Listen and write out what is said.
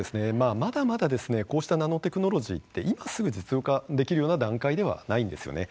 まだまだ、こうしたナノテクノロジーって今すぐ実用化できるような段階ではないんですよね。